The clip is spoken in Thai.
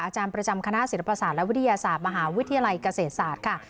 อาจารย์ประจำคณะศิลปศาสตร์และวิทยาศาสตร์มหาวิทยาลัยเกษตรศาสตร์ค่ะ